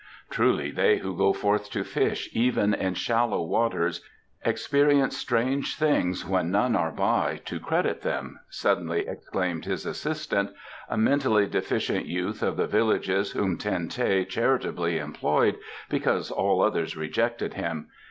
"Truly they who go forth to fish, even in shallow waters, experience strange things when none are by to credit them," suddenly exclaimed his assistant a mentally deficient youth of the villages whom Ten teh charitably employed because all others rejected him.